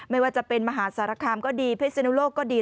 ไม่ว่าจะเป็นมหาสารคามก็ดีพิศนุโลกก็ดี